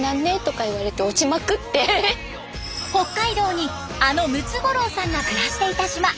北海道にあのムツゴロウさんが暮らしていた島。